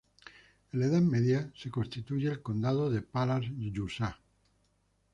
En la Edad Media, se constituyó el Condado de Pallars Jussá.